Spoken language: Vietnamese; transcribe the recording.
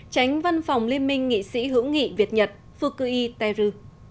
tránh văn phòng liên minh nghị sĩ hữu nghị việt nhật fukui tero